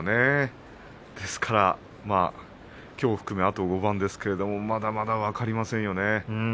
ですから、きょうを含めあと５番ですけれどもまだまだ分かりませんよね。